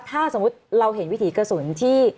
ถ้าสมมุติเราเห็นวิถีกระสุนที่